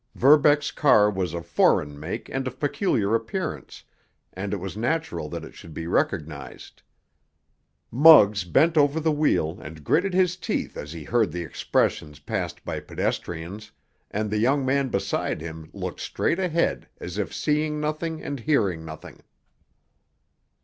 Verbeck's car was of foreign make and of peculiar appearance, and it was natural that it should be recognized. Muggs bent over the wheel and gritted his teeth as he heard the expressions passed by pedestrians, and the young man beside him looked straight ahead as if seeing nothing and hearing nothing.